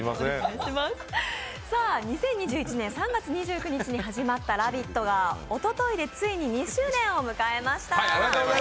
２０２１年３月２９日に始まった「ラヴィット！」がおとといでついに２周年を迎えました。